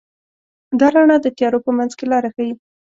دا رڼا د تیارو په منځ کې لاره ښيي.